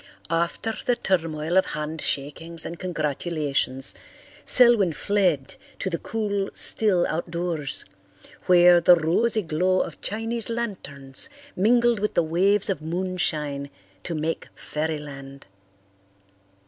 After the turmoil of handshakings and congratulations, Selwyn fled to the cool, still outdoors, where the rosy glow of Chinese lanterns mingled with the waves of moonshine to make fairyland.